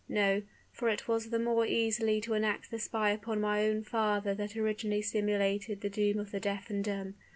No; for it was the more easily to enact the spy upon my own father that originally simulated the doom of the deaf and dumb.